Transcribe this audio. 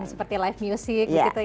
seperti live music gitu ya